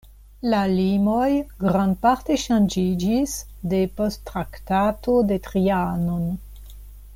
La limoj grandparte ŝanĝiĝis depost Traktato de Trianon.